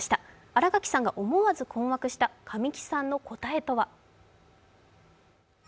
新垣さんが思わず困惑した神木さんの答えとは？